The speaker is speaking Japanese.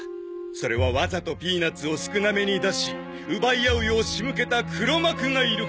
それはわざとピーナツを少なめに出し奪い合うよう仕向けた黒幕がいるからです。